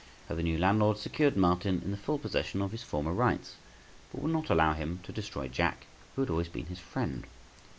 How the new landlord secured Martin in the full possession of his former rights, but would not allow him to destroy Jack, who had always been his friend.